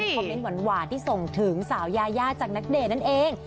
คอมเมนต์หวานที่ส่งถึงสาวยายาจากนักเดชนั่นเอง